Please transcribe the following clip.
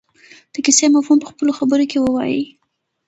د کیسې مفهوم په خپلو خبرو کې ووايي.